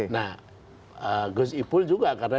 nah gus ipul juga karena